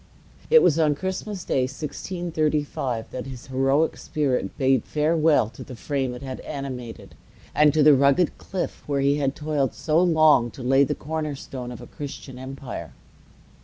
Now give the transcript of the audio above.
It was on Christmas Day, 1635, that his heroic spirit bade farewell to the frame it had animated, and to the rugged cliff where he had toiled so long to lay the corner stone of a Christian empire.